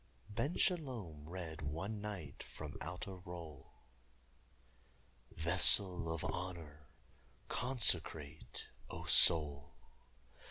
Ben Shalom read one night from out a roll: "Vessel of honor, consecrate ('O soul!')